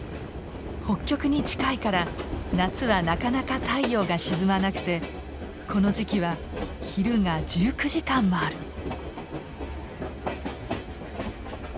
北極に近いから夏はなかなか太陽が沈まなくてこの時期は昼が１９時間もある。